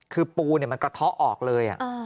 คือปูเนี่ยมันกระท้อออกเลยอ่ะ